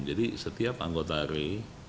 jadi setiap anggota ri